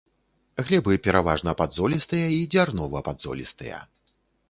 Глебы пераважна падзолістыя і дзярнова-падзолістыя.